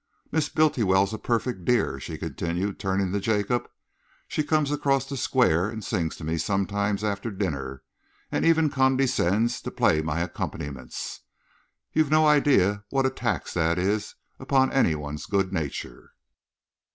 Miss Bultiwell's a perfect dear," she continued, turning to Jacob. "She comes across the Square and sings to me sometimes after dinner and even condescends to play my accompaniments. You've no idea what a tax that is upon any one's good nature."